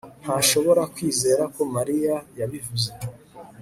ntashobora kwizera ko mariya yabivuze